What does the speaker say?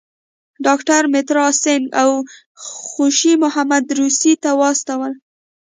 ډاکټر مترا سینګه او خوشي محمد روسیې ته واستول.